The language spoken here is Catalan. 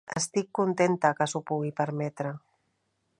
Estic contenta que s'ho pugui permetre.